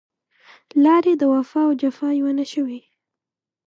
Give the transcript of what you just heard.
لارې د وفا او جفا يو نه شوې